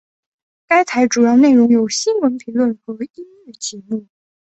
该台主要内容有新闻评论和音乐节目。